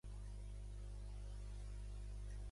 Tot i això, continuarà com a batle d’Ontinyent.